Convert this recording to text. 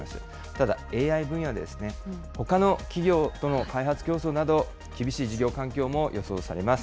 ただ、ＡＩ分野では、ほかの企業との開発競争など、厳しい事業環境も予想されます。